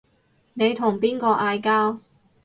你同邊個嗌交